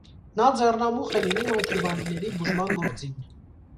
Նա ձեռնամուխ է լինում այդ հիվանդների բուժման գործին։